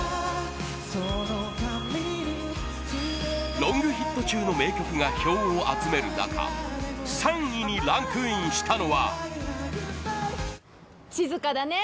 ロングヒット中の名曲が票を集める中３位にランクインしたのは紬：静かだね！